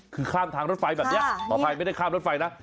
คือข้ามทางรถไฟแบบนี้ขออภัยไม่ได้ข้ามรถไฟนะ